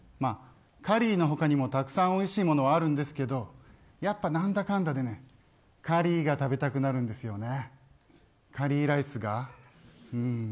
カリーの他にもたくさんおいしいものはあるんですけどやっぱ、なんだかんだでカリーが食べたくなるんですよね。